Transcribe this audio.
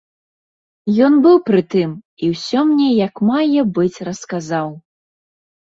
Ён быў пры тым і ўсё мне як мае быць расказаў.